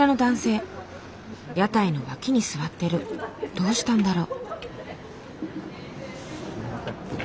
どうしたんだろ？